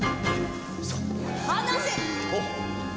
離せ！